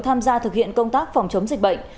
tham gia thực hiện công tác phòng chống dịch bệnh